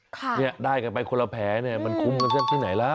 เนี่ยได้กันไปคนละแผลเนี่ยมันคุ้มกันสักที่ไหนล่ะ